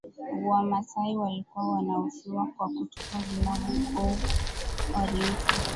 Wamasai walikuwa wanahofiwa kwa kutupa vilabu au orinka